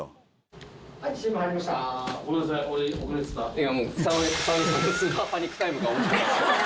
はい。